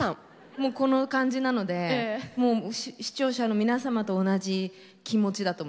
もうこの感じなのでもう視聴者の皆様と同じ気持ちだと思います。